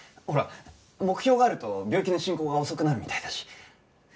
ほら目標があると病気の進行が遅くなるみたいだし。